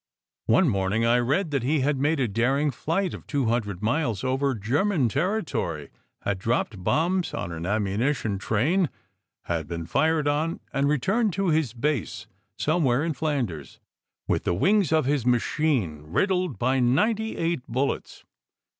One morning I read that he had made a daring flight of two hundred miles over German territory, had dropped bombs on an ammunition train, had been fired on, and returned to his base "somewhere in Flanders" with the wings of his machine riddled by ninety eight bullets.